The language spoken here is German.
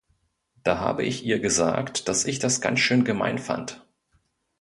Da habe ich ihr gesagt, dass ich das ganz schön gemein fand.